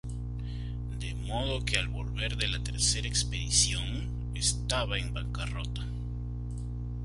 De modo que al volver de la tercera expedición, estaba en bancarrota.